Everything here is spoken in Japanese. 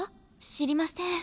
知りません。